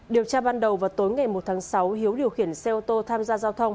điều tra ban đầu vào tối ngày một tháng sáu hiếu điều khiển xe ô tô tham gia giao thông